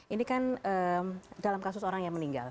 ini kan dalam kasus orang yang meninggal